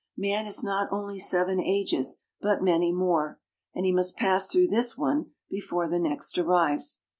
Man has not only "Seven Ages," but many more, and he must pass through this one before the next arrives.